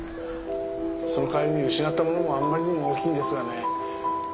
その代わりに失ったものもあんまりにも大きいんですがね。